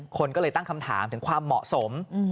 คนก็เลยตั้งคำถามถึงความเหมาะสม